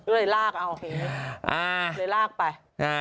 เลยลากเอาเลยลากไป